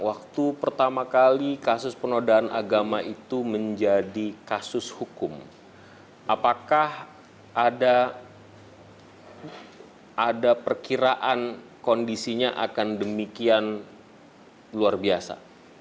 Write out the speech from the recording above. waktu pertama kali kasus penodaan agama itu menjadi kasus hukum apakah ada perkiraan kondisinya akan demikian luar biasa